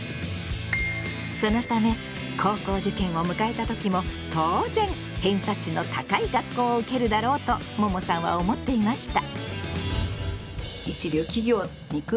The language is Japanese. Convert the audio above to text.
そのため高校受験を迎えた時も当然偏差値の高い学校を受けるだろうとももさんは思っていました。